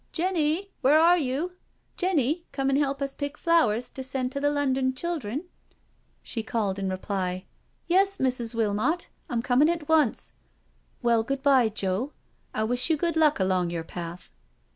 " Jenny, where are you? Jenny, come and help us pick flowers to send to the London children?" She called in reply: "Yes, Mrs. Wilmot, I'm com ing at once. Well, good bye, Joe, I wish you good luck along your path."